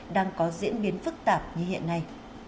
đang có diễn biến phức tạp như hiện nay